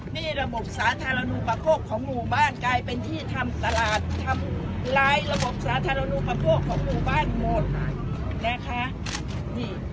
นี่ระบบสาธารณูประโภคของหมู่บ้านกลายเป็นที่ทำตลาดทำร้ายระบบสาธารณูปโภคของหมู่บ้านหมดนะคะนี่